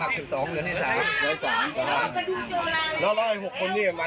เราก็อยู่นานแล้วทำไมไม่มีผ่านไม่มีไหน